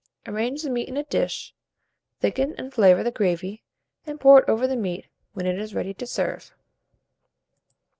Arrange the meat in a dish, thicken and flavour the gravy, and pour it over the meat, when it is ready to serve.